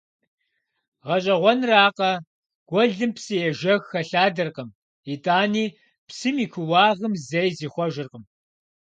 ГъэщӀэгъуэнракъэ, гуэлым псы ежэх хэлъадэркъым, итӀани псым и куууагъым зэи зихъуэжыркъым.